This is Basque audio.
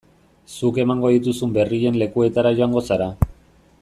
Zuk emango dituzun berrien lekuetara joango zara.